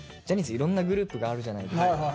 いろんなグループがあるじゃないですか。